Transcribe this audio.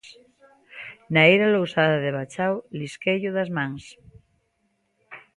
Na eira lousada de Bachau lisqueillo das mans.